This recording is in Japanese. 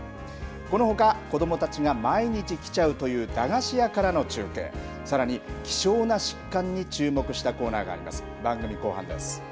このほか、子どもたちが毎日来ちゃうという駄菓子屋からの中継、さらに、希少な疾患に注目したコーナーがあります。